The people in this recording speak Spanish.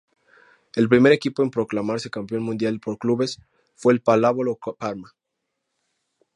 El primer equipo en proclamarse campeón mundial por clubes fue el Pallavolo Parma.